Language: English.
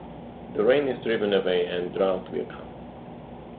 The rain is driven away and drought will continue.